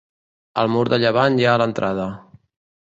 Al mur de llevant hi ha l'entrada.